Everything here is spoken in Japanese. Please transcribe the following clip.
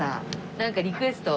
なんかリクエスト。